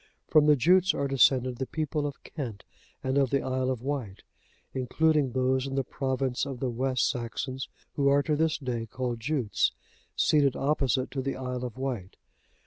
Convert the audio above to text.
From the Jutes are descended the people of Kent, and of the Isle of Wight, including those in the province of the West Saxons who are to this day called Jutes, seated opposite to the Isle of Wight.